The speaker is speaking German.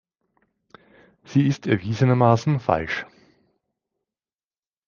Sie ist erwiesenermaßen falsch!